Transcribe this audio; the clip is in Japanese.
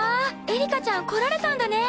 エリカちゃん来られたんだね！